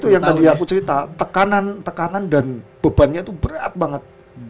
ya sembilan puluh empat lah karena tekanan dan bebannya itu berat banget